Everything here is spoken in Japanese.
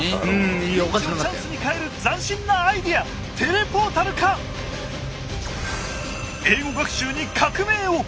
ピンチをチャンスに変える斬新なアイデア英語学習に革命を！